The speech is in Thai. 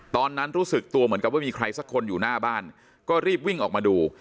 ตอนนั้นรู้สึกตัวเหมือนกับว่ามีใครสักคนอยู่หน้าบ้านก็รีบวิ่งออกมาดู